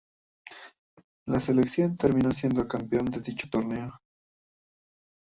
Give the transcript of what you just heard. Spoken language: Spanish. La selección terminó siendo campeón de dicho torneo.